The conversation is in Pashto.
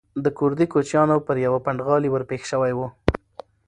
د کوردي کوچیانو پر یوه پنډغالي ورپېښ شوی و.